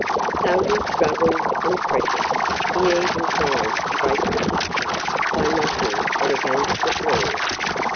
So he struggled and fretted. He even tried to break the pitcher by knocking it against the floor.